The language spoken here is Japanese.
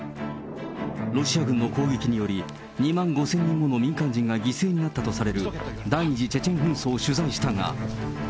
ロシア軍の攻撃により、２万５０００人もの民間人が犠牲になったとされる、第２次チェチェン紛争を取材したが。